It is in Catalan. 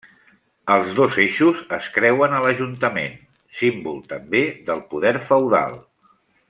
Els dos eixos es creuen a l'Ajuntament, símbol també del poder feudal.